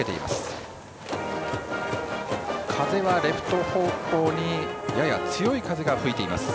風はレフト方向にやや強い風が吹いています。